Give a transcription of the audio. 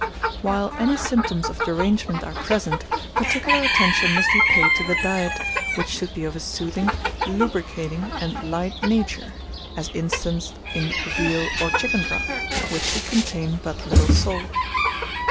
While any symptoms of derangement are present, particular attention must be paid to the diet, which should be of a soothing, lubricating, and light nature, as instanced in veal or chicken broth, which should contain but little salt.